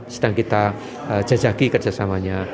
sedang kita jejaki kerjasamanya